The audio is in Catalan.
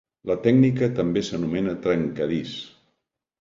La tècnica també s'anomena trencadís.